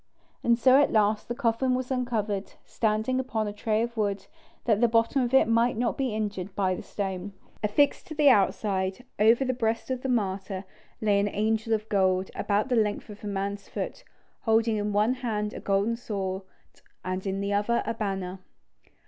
And so at last the coffin was uncovered, standing upon a tray of wood, that the bottom of it might not be injured by the stone. Affixed to the outside, over the breast of the martyr, lay an angel of gold, about the length of a man's foot, holding in one hand a golden sword and in the other a banner.